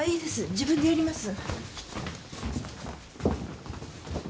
自分でやります。